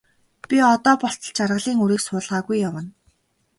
Би одоо болтол жаргалын үрийг суулгаагүй явсан.